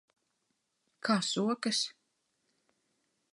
Kā sokas?